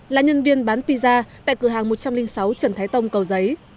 là nhân viên bán pizza tại cửa hàng một trăm linh sáu trần thái tông cầu giấy